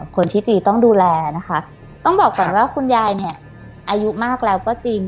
คนที่จีนต้องดูแลนะคะต้องบอกก่อนว่าคุณยายเนี่ยอายุมากแล้วก็จริง